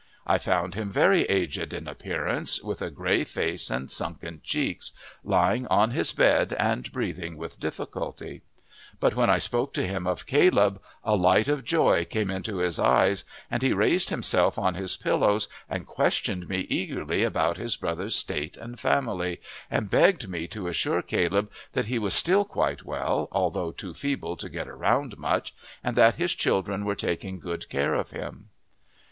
I found him very aged in appearance, with a grey face and sunken cheeks, lying on his bed and breathing with difficulty; but when I spoke to him of Caleb a light of joy came into his eyes, and he raised himself on his pillows, and questioned me eagerly about his brother's state and family, and begged me to assure Caleb that he was still quite well, although too feeble to get about much, and that his children were taking good care of him.